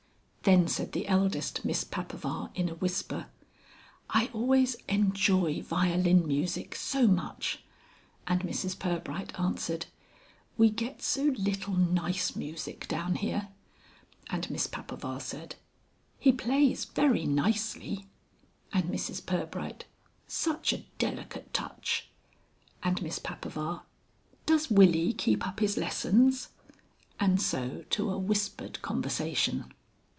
Then said the eldest Miss Papaver in a whisper, "I always Enjoy violin music so much." And Mrs Pirbright answered, "We get so little Nice music down here." And Miss Papaver said, "He plays Very nicely." And Mrs Pirbright, "Such a Delicate Touch!" And Miss Papaver, "Does Willie keep up his lessons?" and so to a whispered conversation.